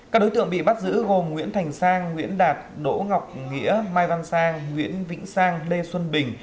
các đối tượng bị bắt giữ gồm nguyễn thành sang nguyễn đạt đỗ ngọc nghĩa mai văn sang nguyễn vĩnh sang lê xuân bình